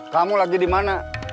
kamu lagi dimana